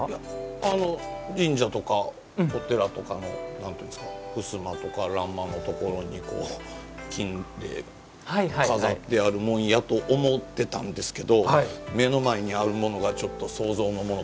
あの神社とかお寺とかの何て言うんですかふすまとか欄間のところに金で飾ってあるもんやと思ってたんですけど目の前にあるものがちょっと想像のものとは違ったので。